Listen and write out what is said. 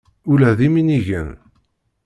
Ula d iminigen.